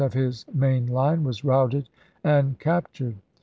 of his mam line, was routed and captured.